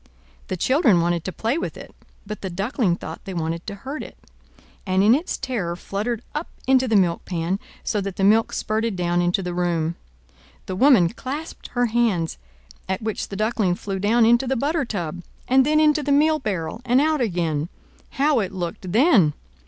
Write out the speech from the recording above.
The children wanted to play with it; but the Duckling thought they wanted to hurt it, and in its terror fluttered up into the milk pan, so that the milk spurted down into the room. The woman clasped her hands, at which the Duckling flew down into the butter tub, and then into the meal barrel and out again. How it looked then!